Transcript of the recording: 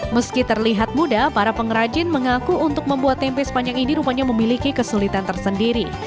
meski terlihat mudah para pengrajin mengaku untuk membuat tempe sepanjang ini rupanya memiliki kesulitan tersendiri